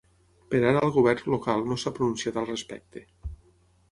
Per ara el govern local no s’ha pronunciat al respecte.